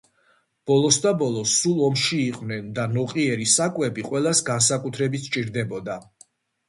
ბოლოსდაბოლოს, სულ ომში იყვნენ და ნოყიერი საკვები ყველას განსაკუთრებით სჭირდებოდა.